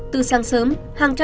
từ sáng sớm